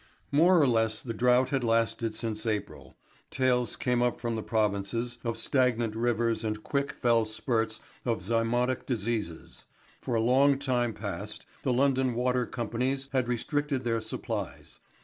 More or less the drought had lasted since April. Tales came up from the provinces of stagnant rivers and quick, fell spurts of zymotic diseases. For a long time past the London water companies had restricted their supplies.